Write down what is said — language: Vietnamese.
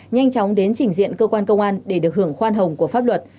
nhanh chóng đến trình diện cơ quan công an để được hưởng khoan hồng của pháp luật